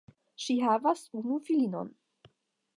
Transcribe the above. Ŝi havas unu filinon.